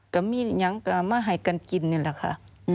ก็มีอย่างก็ไม่หายกันจิ้นนี่แหละค่ะ